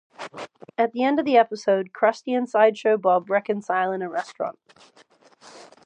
At the end of the episode, Krusty and Sideshow Bob reconcile in a restaurant.